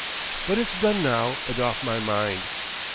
But it's done now, and off my mind.